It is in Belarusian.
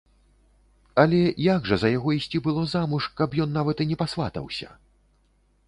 Але як жа за яго ісці было замуж, каб ён нават і пасватаўся?